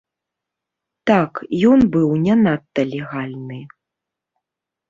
Так, ён быў не надта легальны.